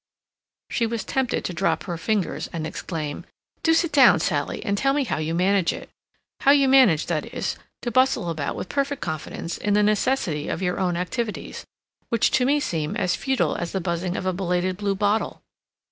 She was tempted to drop her fingers and exclaim: "Do sit down, Sally, and tell me how you manage it—how you manage, that is, to bustle about with perfect confidence in the necessity of your own activities, which to me seem as futile as the buzzing of a belated blue bottle."